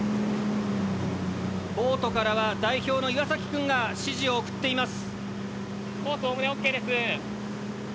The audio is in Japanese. ボートからは代表の岩くんが指示を送っています。